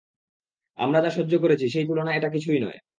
আমরা যা সহ্য করেছি, সেই তুলনায় এটা কিছুই নয়।